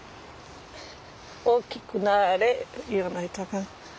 大きくなれ言わないとあかん。